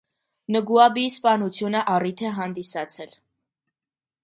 Նգուաբիի սպանությունը առիթ է հանդիսացել։